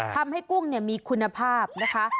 ทำให้กุ้งเนี่ยมีคุณภาพนะคะ